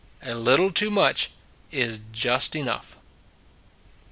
A little too much is just enough.